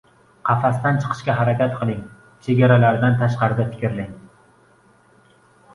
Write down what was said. Qafasdan chiqishga harakat qiling, chegaralardan tashqarida fikrlang